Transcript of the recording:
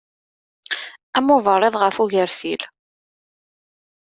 Am uberriḍ ɣef ugertil.